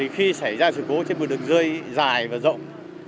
khi xảy ra sự cố trên một đường dây dài và rộng